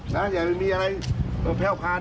ไม่มีอะไรพวกมันแพ้วพาน